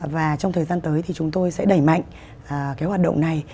và trong thời gian tới thì chúng tôi sẽ đẩy mạnh cái hoạt động này